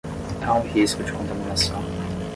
Há um risco de contaminação